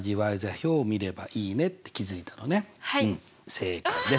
正解です。